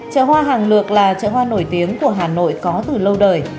chợ hoa hàng lược là chợ hoa nổi tiếng của hà nội có từ lâu đời